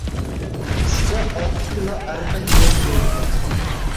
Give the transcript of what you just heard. Tushda olti kilo arpa yem berdim.